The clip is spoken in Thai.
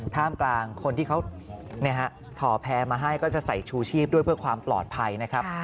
ท่ามกลางคนที่เขาถ่อแพ้มาให้ก็จะใส่ชูชีพด้วยเพื่อความปลอดภัยนะครับ